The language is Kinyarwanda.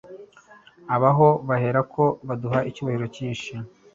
Abaho baherako baduha icyubahiro cyinshi,